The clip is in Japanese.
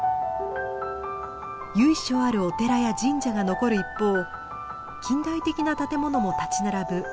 由緒あるお寺や神社が残る一方近代的な建物も立ち並ぶ